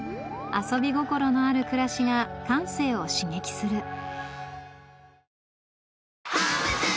遊び心のある暮らしが感性を刺激する